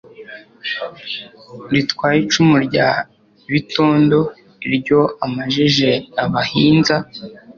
Riratwaye icumu rya Bitondo iryo amajije abahinza,